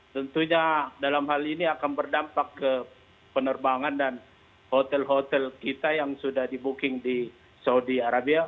tentunya dalam hal ini akan berdampak ke penerbangan dan hotel hotel kita yang sudah di booking di saudi arabia